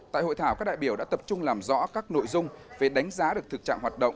tại hội thảo các đại biểu đã tập trung làm rõ các nội dung về đánh giá được thực trạng hoạt động